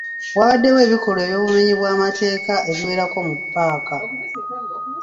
Wabaddewo ebikolwa eby'obumenyi bw'amateeka ebiwerako mu ppaaka.